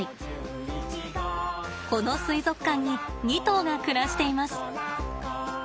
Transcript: この水族館に２頭が暮らしています。